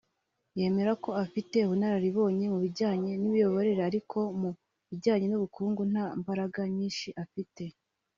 yemera ko afite ubunararibonye mu bijyanye n’imiyoborere ariko mu bijyanye n’ubukungu nta mbaraga nyinshi afite